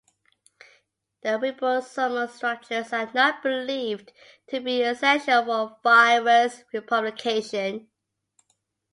The ribosomal structures are not believed to be essential for virus replication.